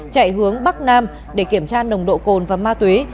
chạy hướng bắc nam để kiểm tra nồng độ cồn và ma túy